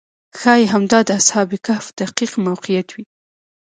ښایي همدا د اصحاب کهف دقیق موقعیت وي.